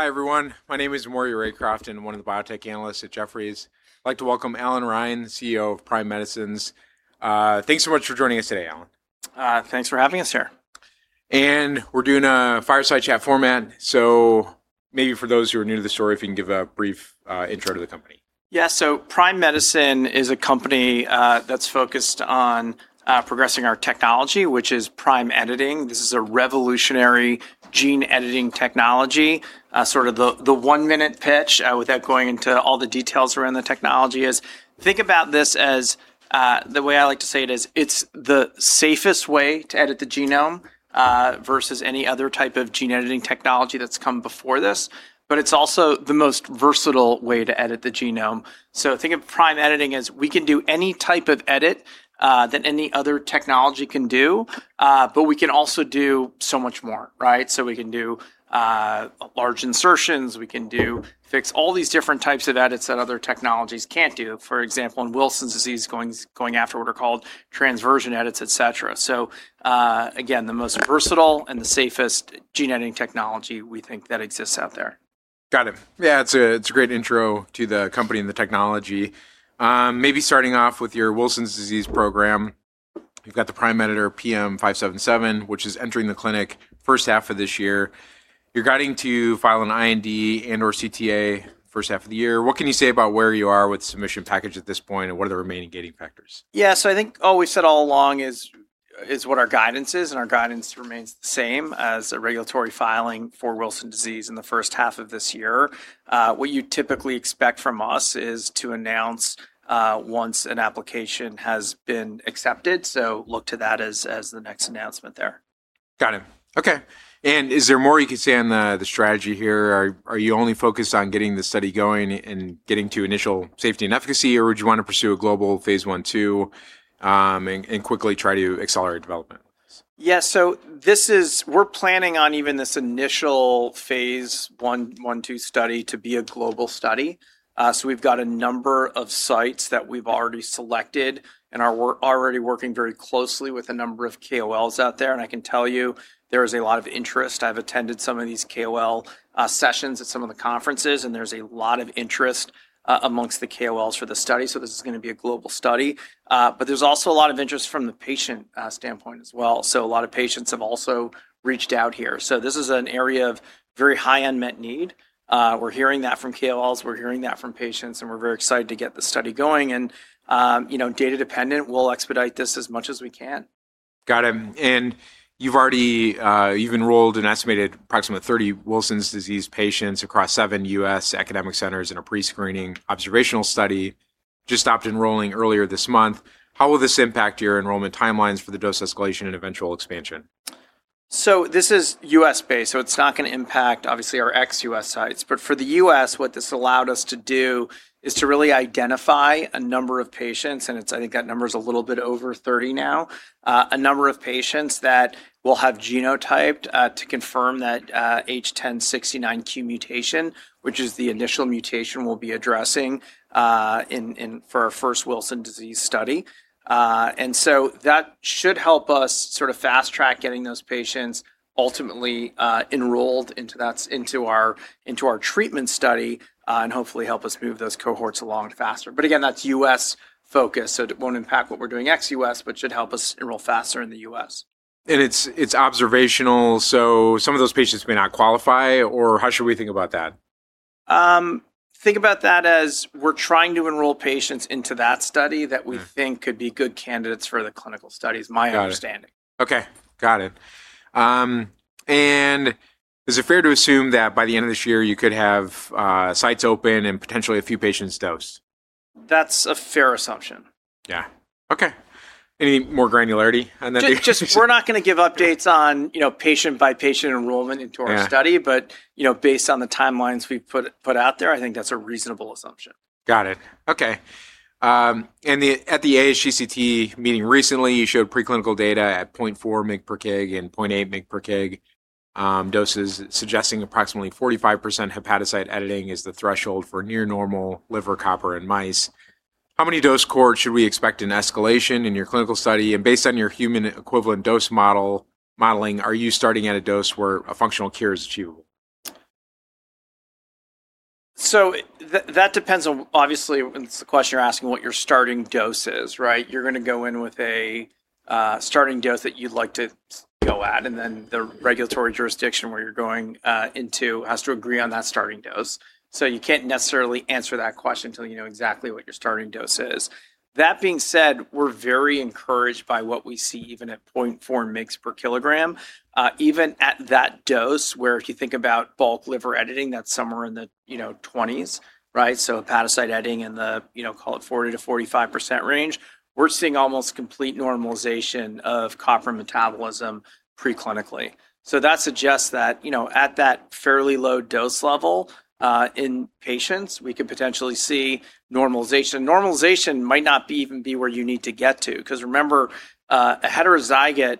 Hi, everyone. My name is Maury Raycroft. I'm one of the biotech analysts at Jefferies. I'd like to welcome Allan Reine, CEO of Prime Medicine. Thanks so much for joining us today, Allan. Thanks for having us here. We're doing a fireside chat format. Maybe for those who are new to the story, if you can give a brief intro to the company. Yeah. Prime Medicine is a company that's focused on progressing our technology, which is Prime Editing. This is a revolutionary gene editing technology. Sort of the one-minute pitch, without going into all the details around the technology, is think about this as, the way I like to say it is, it's the safest way to edit the genome, versus any other type of gene editing technology that's come before this. It's also the most versatile way to edit the genome. Think of Prime Editing as we can do any type of edit that any other technology can do, but we can also do so much more. Right? We can do large insertions, we can do fix all these different types of edits that other technologies can't do. For example, in Wilson's disease, going after what are called transversion edits, et cetera. Again, the most versatile and the safest gene editing technology we think that exists out there. Got it. Yeah, it's a great intro to the company and the technology. Maybe starting off with your Wilson's disease program. You've got the Prime Editor PM577, which is entering the clinic first half of this year. You're guiding to file an IND and/or CTA first half of the year. What can you say about where you are with the submission package at this point, and what are the remaining gating factors? Yeah. I think all we said all along is what our guidance is, and our guidance remains the same as a regulatory filing for Wilson's disease in the first half of this year. What you'd typically expect from us is to announce once an application has been accepted, so look to that as the next announcement there. Got it. Okay. Is there more you can say on the strategy here? Are you only focused on getting the study going and getting to initial safety and efficacy, or would you want to pursue a global phase I, II, and quickly try to accelerate development with this? Yeah. We're planning on even this initial phase I/II study to be a global study. We've got a number of sites that we've already selected and are already working very closely with a number of KOLs out there, and I can tell you there is a lot of interest. I've attended some of these KOL sessions at some of the conferences, and there's a lot of interest amongst the KOLs for the study. This is going to be a global study. There's also a lot of interest from the patient standpoint as well. A lot of patients have also reached out here. This is an area of very high unmet need. We're hearing that from KOLs, we're hearing that from patients, and we're very excited to get this study going and data dependent, we'll expedite this as much as we can. Got it. You've enrolled an estimated approximately 30 Wilson's disease patients across seven U.S. academic centers in a pre-screening observational study. Just stopped enrolling earlier this month. How will this impact your enrollment timelines for the dose escalation and eventual expansion? This is U.S.-based, so it's not going to impact, obviously, our ex-U.S. sites. For the U.S., what this allowed us to do is to really identify a number of patients, and I think that number's a little bit over 30 now. A number of patients that we'll have genotyped to confirm that H1069Q mutation, which is the initial mutation we'll be addressing for our first Wilson's disease study. That should help us sort of fast track getting those patients ultimately enrolled into our treatment study, and hopefully help us move those cohorts along faster. Again, that's U.S.-focused, so it won't impact what we're doing ex-U.S., but should help us enroll faster in the U.S. It's observational, so some of those patients may not qualify, or how should we think about that? Think about that as we're trying to enroll patients into that study that we think could be good candidates for the clinical study, is my understanding. Okay. Got it. Is it fair to assume that by the end of this year you could have sites open and potentially a few patients dosed? That's a fair assumption. Yeah. Okay. Any more granularity on that date? We're not going to give updates on patient-by-patient enrollment into our study. Yeah. Based on the timelines we put out there, I think that's a reasonable assumption. Got it. Okay. At the ASGCT meeting recently, you showed preclinical data at 0.4 mg per kg and 0.8 mg per kg doses suggesting approximately 45% hepatocyte editing is the threshold for near normal liver copper in mice. How many dose cohorts should we expect in escalation in your clinical study? Based on your human equivalent dose modeling, are you starting at a dose where a functional cure is achievable? That depends on, obviously, it's the question you're asking, what your starting dose is, right? You're going to go in with a starting dose that you'd like to go at, and then the regulatory jurisdiction where you're going into has to agree on that starting dose. You can't necessarily answer that question until you know exactly what your starting dose is. That being said, we're very encouraged by what we see, even at 0.4 mg/kg. Even at that dose, where if you think about bulk liver editing, that's somewhere in the 20s. Right. Hepatocyte editing in the, call it 40%-45% range. We're seeing almost complete normalization of copper metabolism preclinically. That suggests that at that fairly low dose level, in patients, we could potentially see normalization. Normalization might not even be where you need to get to, because remember a heterozygote,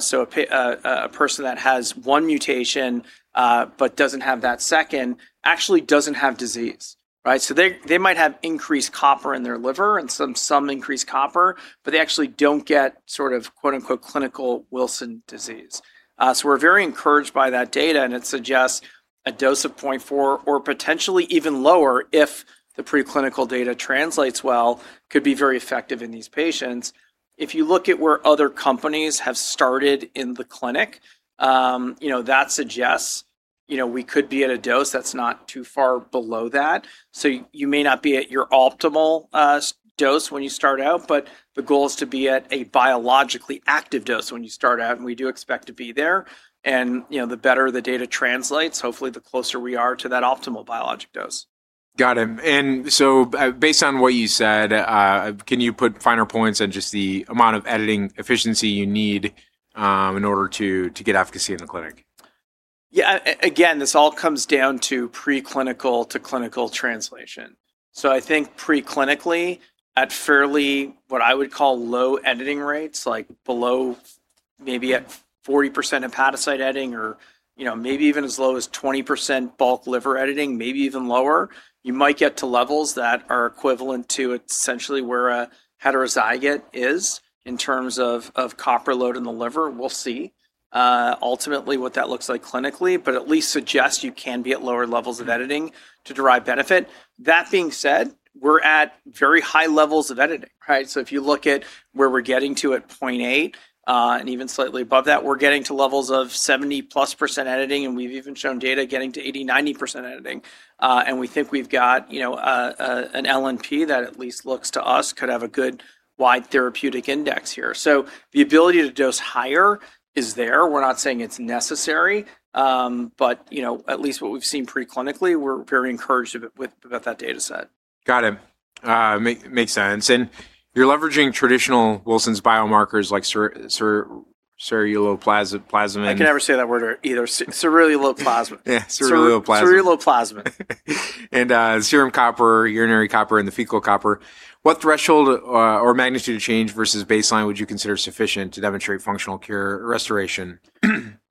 so a person that has one mutation, but doesn't have that second, actually doesn't have disease. Right? They might have increased copper in their liver and some increased copper, but they actually don't get sort of, quote-unquote, clinical Wilson disease. We're very encouraged by that data, and it suggests a dose of 0.4, or potentially even lower if the preclinical data translates well, could be very effective in these patients. If you look at where other companies have started in the clinic, that suggests we could be at a dose that's not too far below that. You may not be at your optimal dose when you start out, but the goal is to be at a biologically active dose when you start out, and we do expect to be there. The better the data translates, hopefully, the closer we are to that optimal biologic dose. Got it. Based on what you said, can you put finer points on just the amount of editing efficiency you need in order to get efficacy in the clinic? Yeah. Again, this all comes down to preclinical to clinical translation. I think preclinically, at fairly what I would call low editing rates, below maybe at 40% hepatocyte editing or maybe even as low as 20% bulk liver editing, maybe even lower, you might get to levels that are equivalent to essentially where a heterozygote is in terms of copper load in the liver. We'll see ultimately what that looks like clinically, but at least suggests you can be at lower levels of editing to derive benefit. That being said, we're at very high levels of editing. Right? If you look at where we're getting to at 0.8, and even slightly above that, we're getting to levels of 70+ percentage editing, and we've even shown data getting to 80%, 90% editing. We think we've got an LNP that at least looks to us could have a good wide therapeutic index here. The ability to dose higher is there. We're not saying it's necessary. At least what we've seen preclinically, we're very encouraged about that data set. Got it. Makes sense. You're leveraging traditional Wilson's biomarkers like ceruloplasmin. I can never say that word either. Ceruloplasmin. Yeah. Ceruloplasmin. Ceruloplasmin. Serum copper, urinary copper, and the fecal copper. What threshold or magnitude of change versus baseline would you consider sufficient to demonstrate functional cure restoration?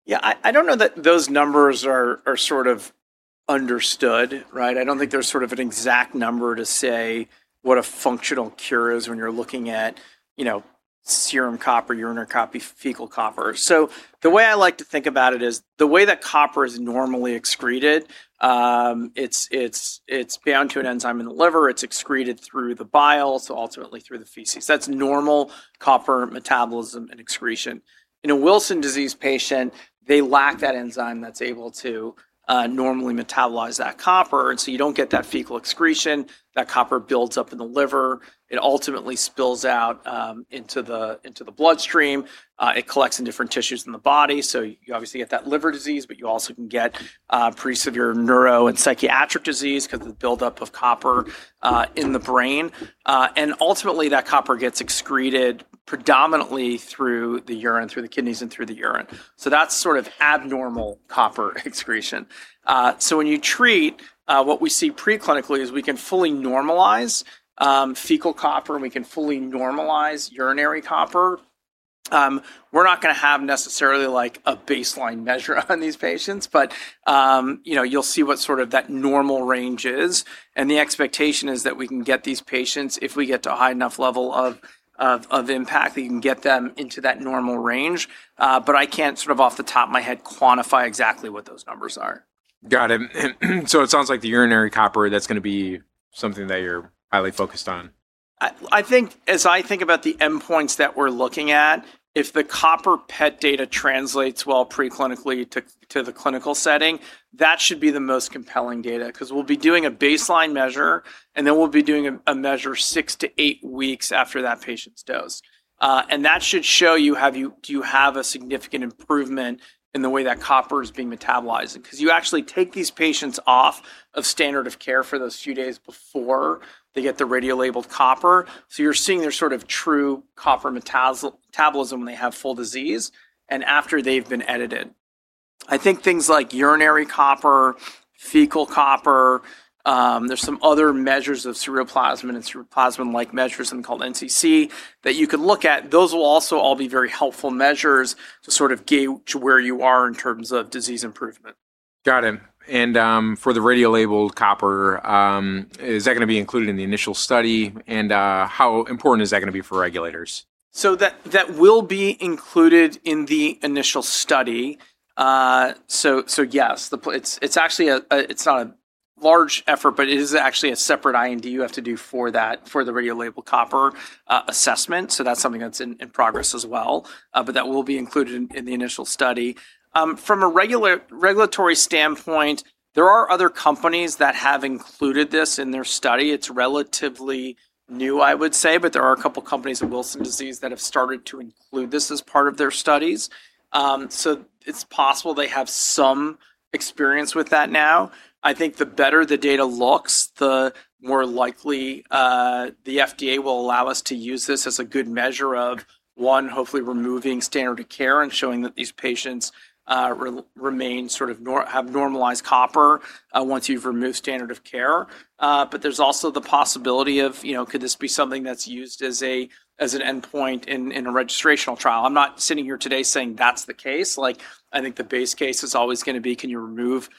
I don't know that those numbers are sort of understood. Right? I don't think there's sort of an exact number to say what a functional cure is when you're looking at serum copper, urinary copper, fecal copper. The way I like to think about it is the way that copper is normally excreted, it's bound to an enzyme in the liver. It's excreted through the bile, so ultimately through the feces. That's normal copper metabolism and excretion. In a Wilson's disease patient, they lack that enzyme that's able to normally metabolize that copper, and so you don't get that fecal excretion. That copper builds up in the liver. It ultimately spills out into the bloodstream. It collects in different tissues in the body. You obviously get that liver disease, but you also can get pretty severe neuro and psychiatric disease because of the buildup of copper in the brain. Ultimately, that copper gets excreted predominantly through the urine, through the kidneys, and through the urine. That's sort of abnormal copper excretion. When you treat, what we see preclinically is we can fully normalize fecal copper, and we can fully normalize urinary copper. We're not going to have necessarily a baseline measure on these patients, but you'll see what that normal range is. The expectation is that we can get these patients, if we get to a high enough level of impact, that you can get them into that normal range. I can't sort of off the top of my head quantify exactly what those numbers are. Got it. It sounds like the urinary copper, that's going to be something that you're highly focused on. As I think about the endpoints that we're looking at, if the copper PET data translates well preclinically to the clinical setting, that should be the most compelling data because we'll be doing a baseline measure, and then we'll be doing a measure six to eight weeks after that patient's dose. That should show you, do you have a significant improvement in the way that copper is being metabolized? You actually take these patients off of standard of care for those few days before they get the radiolabeled copper. You're seeing their sort of true copper metabolism when they have full disease and after they've been edited. I think things like urinary copper, fecal copper, there's some other measures of ceruloplasmin and ceruloplasmin-like measures, something called NCC, that you could look at. Those will also all be very helpful measures to sort of gauge where you are in terms of disease improvement. Got it. For the radiolabeled copper, is that going to be included in the initial study? How important is that going to be for regulators? That will be included in the initial study. Yes. It is not a large effort, but it is actually a separate IND you have to do for the radiolabeled copper assessment. That is something that is in progress as well. That will be included in the initial study. From a regulatory standpoint, there are other companies that have included this in their study. It is relatively new, I would say, but there are a couple companies in Wilson's disease that have started to include this as part of their studies. It is possible they have some experience with that now. I think the better the data looks, the more likely the FDA will allow us to use this as a good measure of, one, hopefully removing standard of care and showing that these patients have normalized copper once you have removed standard of care. There's also the possibility, could this be something that's used as an endpoint in a registrational trial? I'm not sitting here today saying that's the case. I think the base case is always going to be: can you remove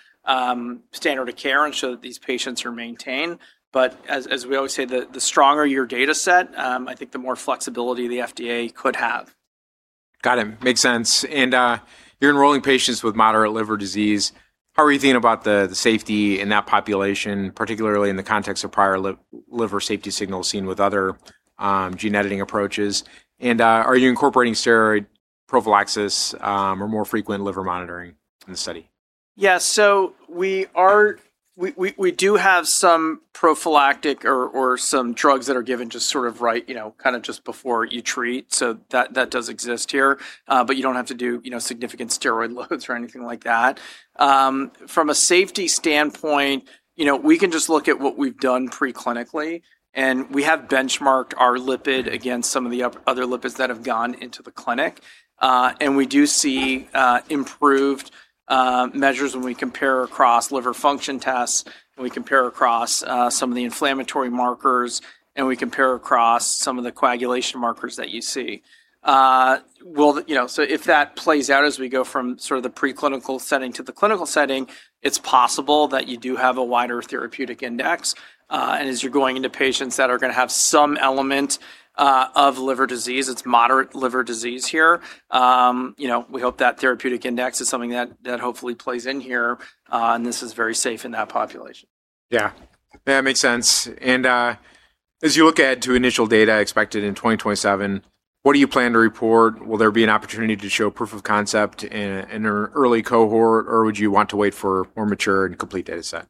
standard of care and show that these patients are maintained? As we always say, the stronger your data set, I think the more flexibility the FDA could have. Got it. Makes sense. You're enrolling patients with moderate liver disease. How are you thinking about the safety in that population, particularly in the context of prior liver safety signals seen with other gene editing approaches? Are you incorporating steroid prophylaxis or more frequent liver monitoring in the study? Yeah. We do have some prophylactic or some drugs that are given just sort of right, kind of just before you treat. You don't have to do significant steroid loads or anything like that. From a safety standpoint, we can just look at what we've done pre-clinically, and we have benchmarked our lipid against some of the other lipids that have gone into the clinic. We do see improved measures when we compare across liver function tests, and we compare across some of the inflammatory markers, and we compare across some of the coagulation markers that you see. If that plays out as we go from sort of the pre-clinical setting to the clinical setting, it's possible that you do have a wider therapeutic index. As you're going into patients that are going to have some element of liver disease, it's moderate liver disease here. We hope that therapeutic index is something that hopefully plays in here, and this is very safe in that population. Yeah. That makes sense. As you look ahead to initial data expected in 2027, what do you plan to report? Will there be an opportunity to show proof of concept in an early cohort, or would you want to wait for a more mature and complete data set?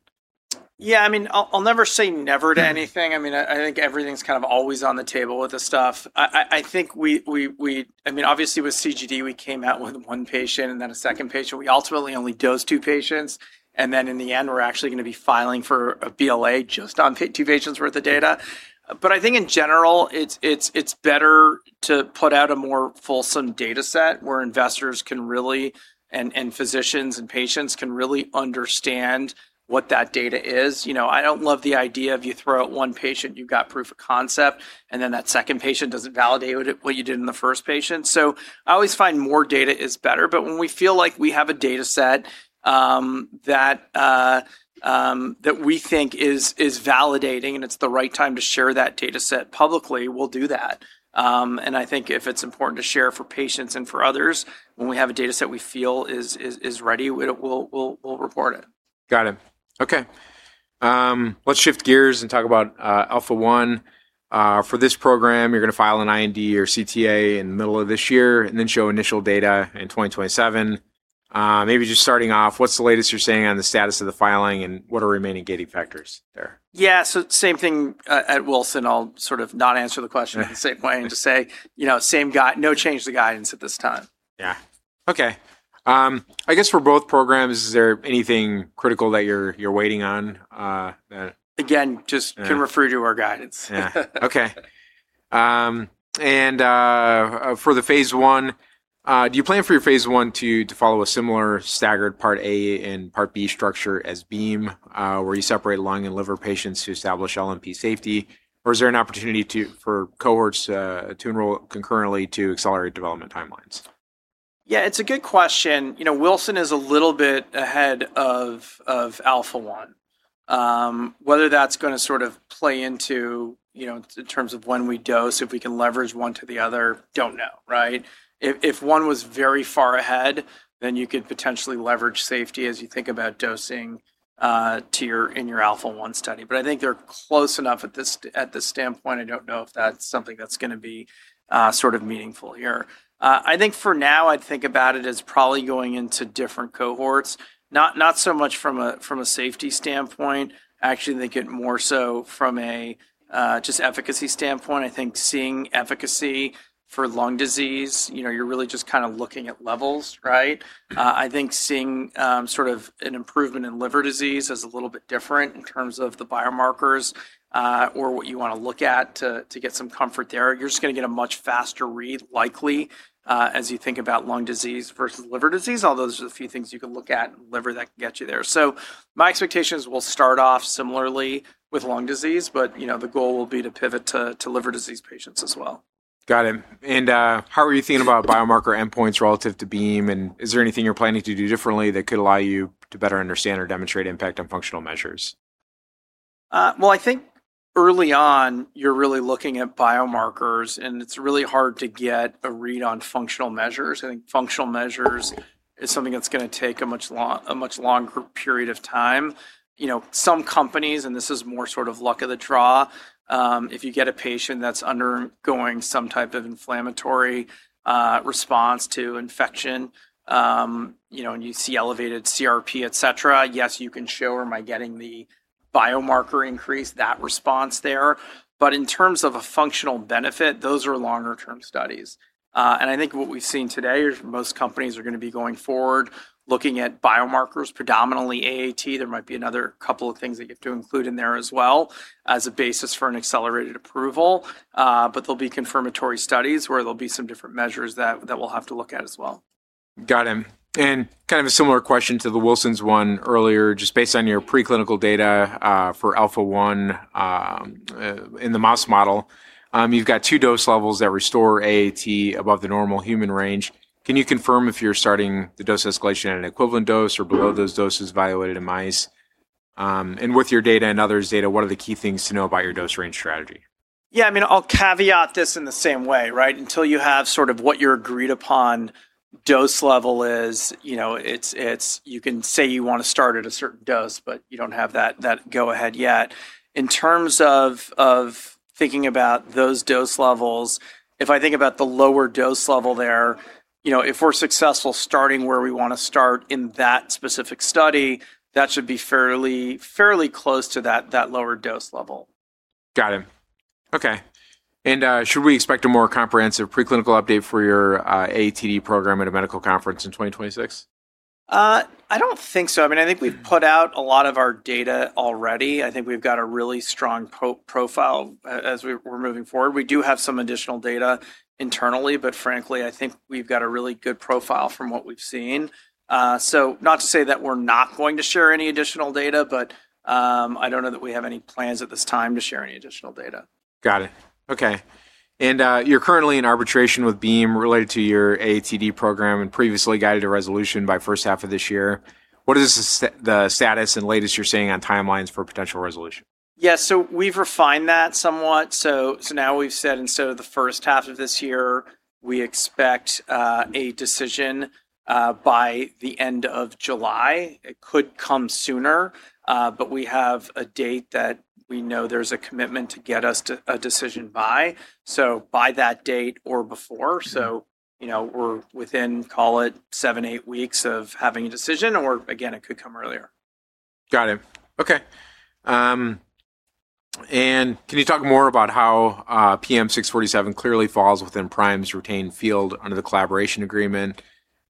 Yeah, I'll never say never to anything. I think everything's kind of always on the table with this stuff. Obviously with CGD, we came out with one patient and then a second patient. We ultimately only dosed two patients, and then in the end, we're actually going to be filing for a BLA just on two patients' worth of data. I think in general, it's better to put out a more fulsome data set where investors can really, and physicians and patients can really understand what that data is. I don't love the idea of you throw out one patient, you've got proof of concept, and then that second patient doesn't validate what you did in the first patient. I always find more data is better. When we feel like we have a data set that we think is validating, and it's the right time to share that data set publicly, we'll do that. I think if it's important to share for patients and for others, when we have a data set we feel is ready, we'll report it. Got it. Okay. Let's shift gears and talk about Alpha-1. For this program, you're going to file an IND or CTA in the middle of this year and then show initial data in 2027. Maybe just starting off, what's the latest you're seeing on the status of the filing and what are remaining gating factors there? Yeah, same thing at Wilson. I'll sort of not answer the question in the same way and just say, no change to the guidance at this time. Yeah. Okay. I guess for both programs, is there anything critical that you're waiting on? Again, just can refer to our guidance. Yeah. Okay. For the phase I, do you plan for your phase I/II to follow a similar staggered part A and part B structure as Beam, where you separate lung and liver patients to establish LNP safety, or is there an opportunity for cohorts to enroll concurrently to accelerate development timelines? Yeah, it's a good question. Wilson is a little bit ahead of Alpha-1. Whether that's going to sort of play into, in terms of when we dose, if we can leverage one to the other, don't know. Right? If one was very far ahead, you could potentially leverage safety as you think about dosing in your Alpha-1 study. I think they're close enough at this standpoint. I don't know if that's something that's going to be sort of meaningful here. I think for now, I'd think about it as probably going into different cohorts. Not so much from a safety standpoint. I actually think it more so from a just efficacy standpoint. I think seeing efficacy for lung disease, you're really just kind of looking at levels, right? I think seeing sort of an improvement in liver disease is a little bit different in terms of the biomarkers, or what you want to look at to get some comfort there. You're just going to get a much faster read, likely, as you think about lung disease versus liver disease, although there's a few things you can look at in liver that can get you there. My expectations will start off similarly with lung disease, but the goal will be to pivot to liver disease patients as well. Got it. How are you thinking about biomarker endpoints relative to Beam, and is there anything you're planning to do differently that could allow you to better understand or demonstrate impact on functional measures? I think early on, you're really looking at biomarkers, and it's really hard to get a read on functional measures. I think functional measures is something that's going to take a much longer period of time. Some companies, and this is more sort of luck of the draw, if you get a patient that's undergoing some type of inflammatory response to infection, and you see elevated CRP, et cetera, yes, you can show, "Am I getting the biomarker increase?" That response there. In terms of a functional benefit, those are longer term studies. I think what we've seen today is most companies are going to be going forward looking at biomarkers, predominantly AAT. There might be another couple of things they get to include in there as well as a basis for an accelerated approval. There'll be confirmatory studies where there'll be some different measures that we'll have to look at as well. Got it. Kind of a similar question to the Wilson's one earlier. Just based on your preclinical data for Alpha-1 in the mouse model, you've got two dose levels that restore AAT above the normal human range. Can you confirm if you're starting the dose escalation at an equivalent dose or below those doses evaluated in mice? With your data and others' data, what are the key things to know about your dose range strategy? Yeah, I'll caveat this in the same way. Until you have sort of what your agreed-upon dose level is, you can say you want to start at a certain dose, but you don't have that go ahead yet. In terms of thinking about those dose levels, if I think about the lower dose level there, if we're successful starting where we want to start in that specific study, that should be fairly close to that lower dose level. Got it. Okay. Should we expect a more comprehensive preclinical update for your AATD program at a medical conference in 2026? I don't think so. I think we've put out a lot of our data already. I think we've got a really strong profile as we're moving forward. We do have some additional data internally. Frankly, I think we've got a really good profile from what we've seen. Not to say that we're not going to share any additional data, I don't know that we have any plans at this time to share any additional data. Got it. Okay. You're currently in arbitration with Beam related to your AATD program and previously guided a resolution by the first half of this year. What is the status and latest you're seeing on timelines for potential resolution? We've refined that somewhat. Now we've said instead of the first half of this year, we expect a decision by the end of July. It could come sooner, but we have a date that we know there's a commitment to get us to a decision by. By that date or before. We're within, call it seven, eight weeks of having a decision, or again, it could come earlier. Got it. Okay. Can you talk more about how PM647 clearly falls within Prime's retained field under the collaboration agreement?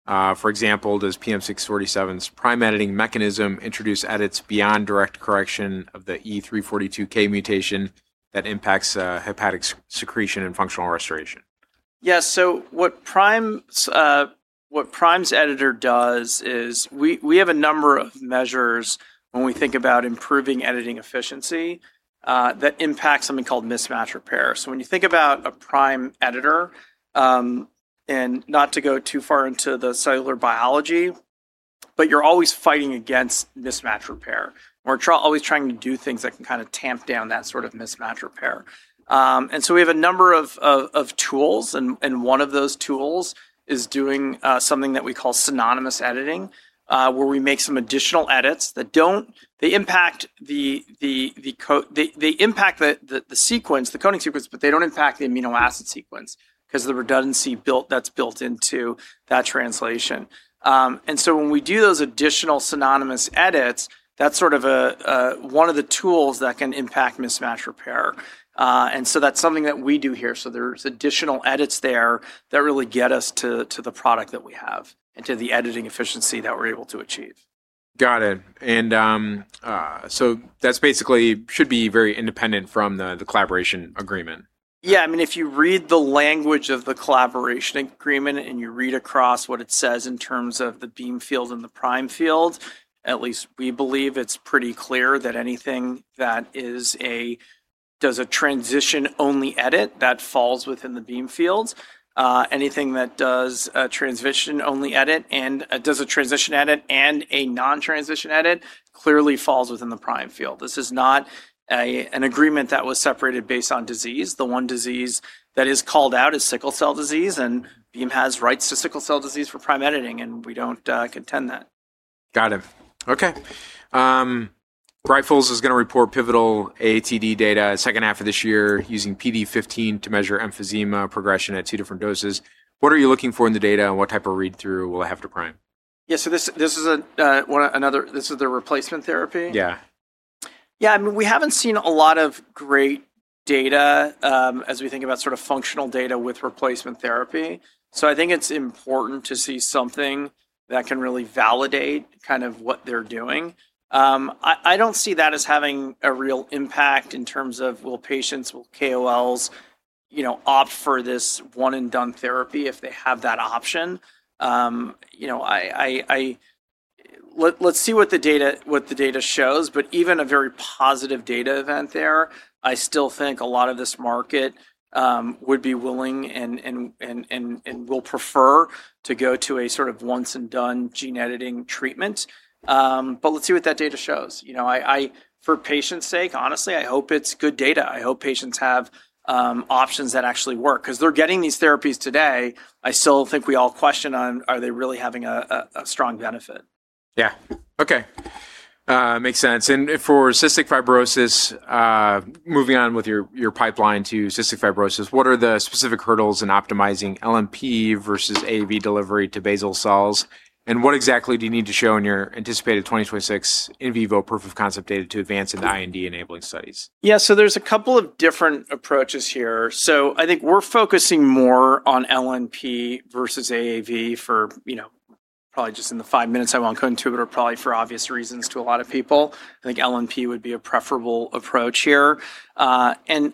For example, does PM647's Prime Editing mechanism introduce edits beyond direct correction of the E342K mutation that impacts hepatic secretion and functional restoration? Yeah. What Prime Editor does is we have a number of measures when we think about improving editing efficiency that impact something called mismatch repair. When you think about a Prime Editor, and not to go too far into the cellular biology, but you're always fighting against mismatch repair, or always trying to do things that can kind of tamp down that sort of mismatch repair. We have a number of tools, and one of those tools is doing something that we call synonymous editing, where we make some additional edits. They impact the coding sequence, but they don't impact the amino acid sequence because of the redundancy that's built into that translation. When we do those additional synonymous edits, that's sort of one of the tools that can impact mismatch repair. That's something that we do here. There's additional edits there that really get us to the product that we have and to the editing efficiency that we're able to achieve. Got it. That basically should be very independent from the collaboration agreement. Yeah, if you read the language of the collaboration agreement and you read across what it says in terms of the Beam field and the Prime field, at least we believe it's pretty clear that anything that does a transition-only edit, that falls within the Beam field. Anything that does a transition-only edit and does a transition edit and a non-transition edit clearly falls within the Prime field. This is not an agreement that was separated based on disease. The one disease that is called out is sickle cell disease, and Beam has rights to sickle cell disease for Prime Editing, and we don't contend that. Got it. Okay. Arrowhead Pharmaceuticals is going to report pivotal AATD data the second half of this year using PD15 to measure emphysema progression at two different doses. What are you looking for in the data, and what type of read-through will it have to Prime? Yeah. This is the replacement therapy. Yeah. Yeah, we haven't seen a lot of great data as we think about sort of functional data with replacement therapy. I think it's important to see something that can really validate what they're doing. I don't see that as having a real impact in terms of will patients, will KOLs opt for this one-and-done therapy if they have that option. Let's see what the data shows, but even a very positive data event there, I still think a lot of this market would be willing and will prefer to go to a sort of once and done gene editing treatment. Let's see what that data shows. For patients' sake, honestly, I hope it's good data. I hope patients have options that actually work because they're getting these therapies today, I still think we all question on are they really having a strong benefit. Yeah. Okay. Makes sense. For cystic fibrosis, moving on with your pipeline to cystic fibrosis, what are the specific hurdles in optimizing LNP versus AAV delivery to basal cells? What exactly do you need to show in your anticipated 2026 in vivo proof of concept data to advance into IND-enabling studies? Yeah. There's a couple of different approaches here. I think we're focusing more on LNP versus AAV for probably just in the five minutes I won't go into it, but probably for obvious reasons to a lot of people. I think LNP would be a preferable approach here. Thinking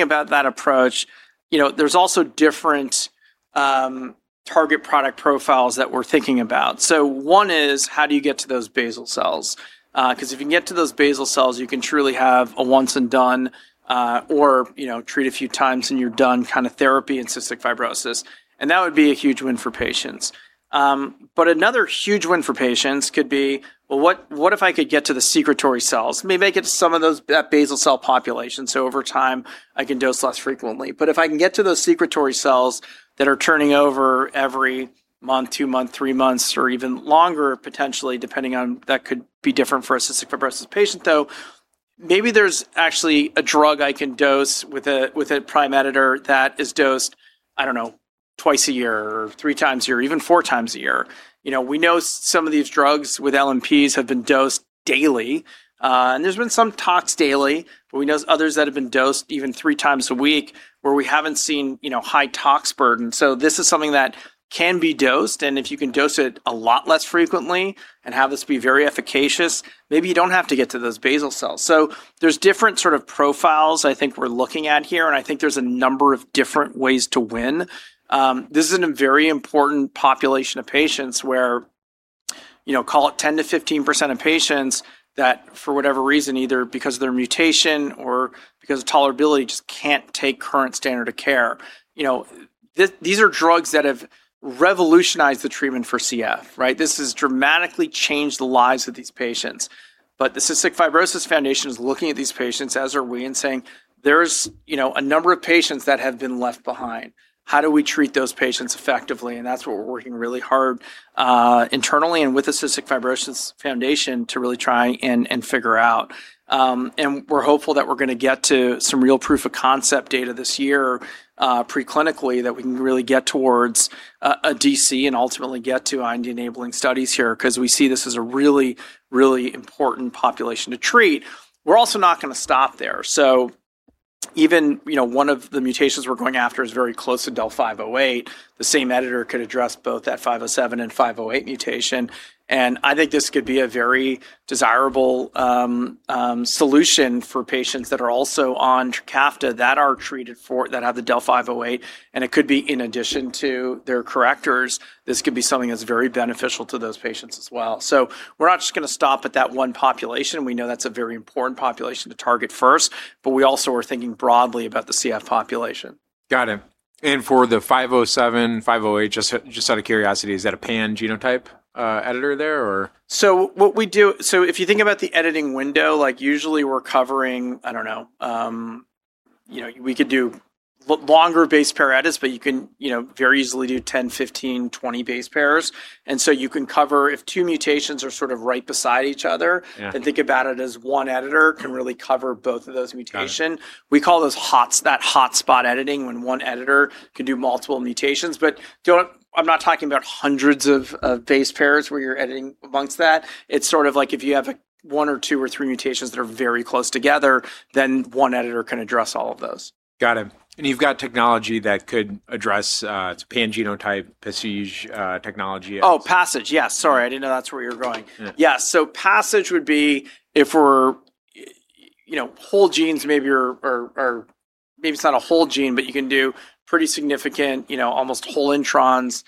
about that approach. There's also different target product profiles that we're thinking about. One is, how do you get to those basal cells? If you can get to those basal cells, you can truly have a once and done, or treat a few times and you're done kind of therapy in cystic fibrosis, and that would be a huge win for patients. Another huge win for patients could be, well, what if I could get to the secretory cells? Maybe get to some of that basal cell population, so over time I can dose less frequently. If I can get to those secretory cells that are turning over every month, two months, three months, or even longer, potentially, depending on-- That could be different for a cystic fibrosis patient, though. Maybe there's actually a drug I can dose with a Prime Editor that is dosed, I don't know, twice a year or three times a year, or even four times a year. We know some of these drugs with LNPs have been dosed daily. There's been some tox daily, but we know others that have been dosed even three times a week where we haven't seen high tox burden. This is something that can be dosed, and if you can dose it a lot less frequently and have this be very efficacious, maybe you don't have to get to those basal cells. There's different sort of profiles I think we're looking at here, and I think there's a number of different ways to win. This is in a very important population of patients where call it 10%-15% of patients that, for whatever reason, either because of their mutation or because of tolerability, just can't take current standard of care. These are drugs that have revolutionized the treatment for CF, right? This has dramatically changed the lives of these patients. The Cystic Fibrosis Foundation is looking at these patients, as are we, and saying, "There's a number of patients that have been left behind. How do we treat those patients effectively?" That's what we're working really hard internally and with the Cystic Fibrosis Foundation to really try and figure out. We're hopeful that we're going to get to some real proof of concept data this year preclinically that we can really get towards a DC and ultimately get to IND-enabling studies here because we see this as a really, really important population to treat. We're also not going to stop there. Even one of the mutations we're going after is very close to Del508. The same editor could address both that 507 and 508 mutation, and I think this could be a very desirable solution for patients that are also on TRIKAFTA that have the Del508, and it could be in addition to their correctors. This could be something that's very beneficial to those patients as well. We're not just going to stop at that one population. We know that's a very important population to target first, but we also are thinking broadly about the CF population. Got it. For the 507, 508, just out of curiosity, is that a pan genotype editor there, or? If you think about the editing window, usually we're covering, I don't know, we could do longer base pair edits, but you can very easily do 10, 15, 20 base pairs. You can cover, if two mutations are sort of right beside each other. Yeah Think about it as one editor can really cover both of those mutation. Got it. We call those hotspots, that hotspot editing, when one editor can do multiple mutations. I'm not talking about hundreds of base pairs where you're editing amongst that. It's sort of like if you have one or two or three mutations that are very close together, one editor can address all of those. Got it. You've got technology that's pan genotype PASSIGE technology. Oh, PASSIGE, yes. Sorry, I didn't know that's where you were going. Yeah. Yeah. PASSIGE would be if we're whole genes, maybe it's not a whole gene, but you can do pretty significant almost whole introns.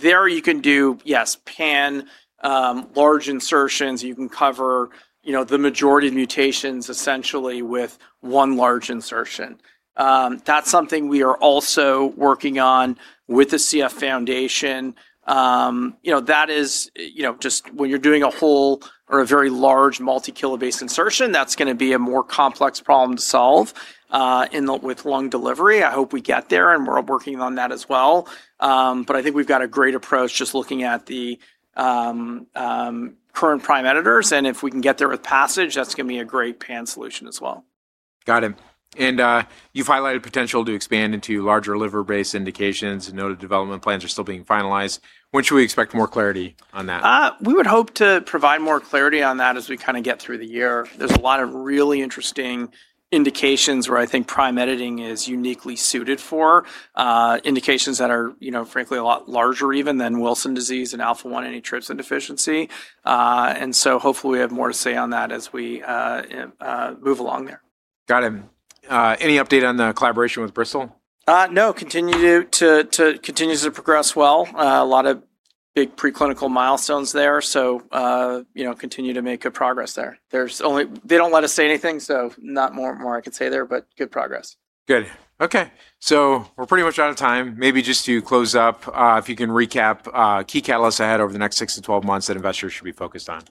There you can do, yes, pan large insertions. You can cover the majority of mutations essentially with one large insertion. That's something we are also working on with the CF Foundation. That is just when you're doing a whole or a very large multi-kilobase insertion, that's going to be a more complex problem to solve with lung delivery. I hope we get there, and we're working on that as well. I think we've got a great approach just looking at the current Prime Editors, and if we can get there with PASSIGE, that's going to be a great pan solution as well. Got it. You've highlighted potential to expand into larger liver-based indications. Noted development plans are still being finalized. When should we expect more clarity on that? We would hope to provide more clarity on that as we kind of get through the year. There's a lot of really interesting indications where I think Prime Editing is uniquely suited for. Indications that are frankly a lot larger even than Wilson's disease and Alpha-1 antitrypsin deficiency. Hopefully we have more to say on that as we move along there. Got it. Any update on the collaboration with Bristol? Continues to progress well. A lot of big preclinical milestones there, so continue to make good progress there. They don't let us say anything, so not more I can say there, but good progress. Good. Okay. We're pretty much out of time. Maybe just to close up, if you can recap key catalysts ahead over the next six to 12 months that investors should be focused on.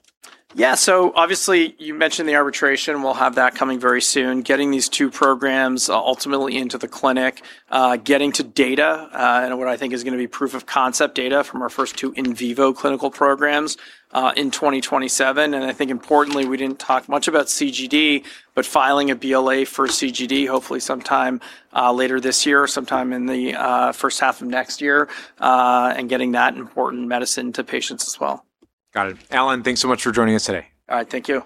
Yeah. Obviously, you mentioned the arbitration. We'll have that coming very soon. Getting these two programs ultimately into the clinic, getting to data, what I think is going to be proof of concept data from our first two in vivo clinical programs in 2027. I think importantly, we didn't talk much about CGD, but filing a BLA for CGD hopefully sometime later this year, sometime in the first half of next year, and getting that important medicine to patients as well. Got it. Allan, thanks so much for joining us today. All right. Thank you.